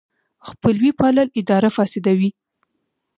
خپلوي پالل اداره فاسدوي.